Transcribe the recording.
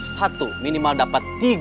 satu minimal dapat tiga